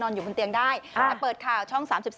อยู่บนเตียงได้แต่เปิดข่าวช่อง๓๒